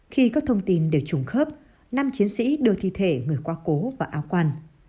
khi các thông tin đều trùng khớp năm chiến sĩ đưa thi thể người quá cố vào áo quan